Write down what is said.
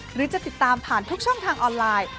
หรือจะติดตามผ่านทุกช่องทางออนไลน์